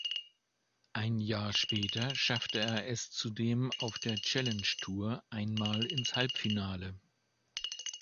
Ein Jahr später schaffte er es zudem auf der Challenge Tour einmal ins Halbfinale.